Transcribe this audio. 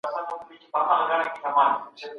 د غریبانو حق باید تر پښو لاندي نسي.